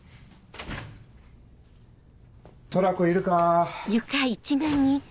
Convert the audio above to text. トラコいるか？